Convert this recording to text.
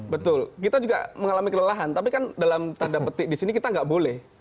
betul kita juga mengalami kelelahan tapi kan dalam tanda petik disini kita gak boleh